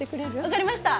分かりました！